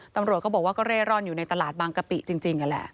ตำรวจก็บอกว่าก็เร่ร่อนอยู่ในตลาดบางกะปิจริงนั่นแหละ